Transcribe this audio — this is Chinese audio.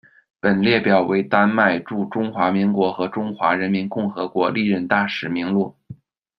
本列表为丹麦驻中华民国和中华人民共和国历任大使名录。